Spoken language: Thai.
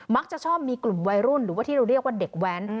มักจะชอบมีกลุ่มวัยรุ่นหรือว่าที่เราเรียกว่าเด็กแว้น